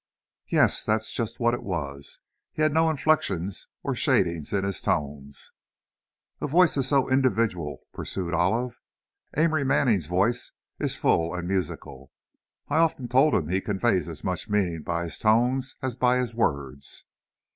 "Yes, that's just what it was. He had no inflections or shadings in his tones." "A voice is so individual," pursued Olive. "Amory Manning's voice is full and musical; I've often told him he conveys as much meaning by his tones as by his words."